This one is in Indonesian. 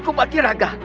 tuan pak tiraga